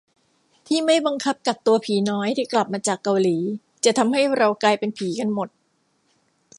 ที่ไม่บังคับกักตัวผีน้อยที่กลับมาจากเกาหลี จะทำให้เรากลายเป็นผีกันหมด